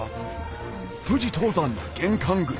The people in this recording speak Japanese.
富士登山の玄関口